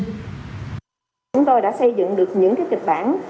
chúng tôi đã xây dựng được những kịch bản